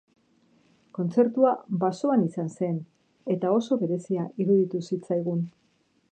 Kontzertua basoan izan zen eta oso berezia iruditu zitzaigun.